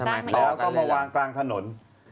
แล้วก็มาวางกลางถนน